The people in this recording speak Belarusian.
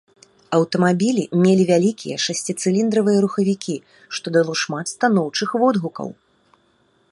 Аўтамабілі мелі вялікія шасціцыліндравыя рухавікі, што дало шмат станоўчых водгукаў.